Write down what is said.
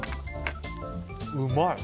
うまい。